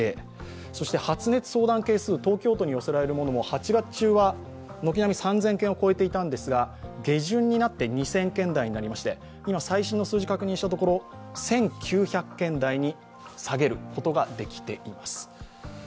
そして発熱相談件数、東京都に寄せられるものも８月中は軒並み３０００件を超えていたのですが、下旬になって２０００件台になりまして今、最新の数字を確認したところ、１９００件台に下げることができています。